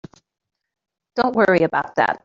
Don't worry about that.